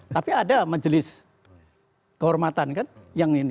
tapi ada majelis kehormatan kan yang ini